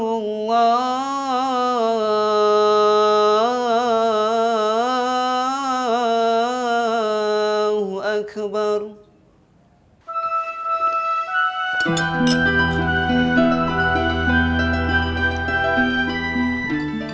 allahu akb anti youtube